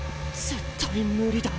絶対無理だ。